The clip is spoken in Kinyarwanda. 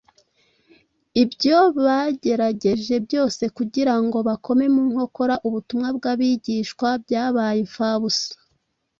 ibyo bagerageje byose kugira ngo bakome mu nkokora ubutumwa bw’abagishwa byabaye imfabusa,